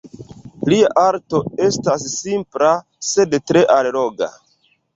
Lia arto estas simpla, sed tre alloga.